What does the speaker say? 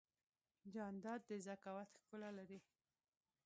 جانداد د ذکاوت ښکلا لري.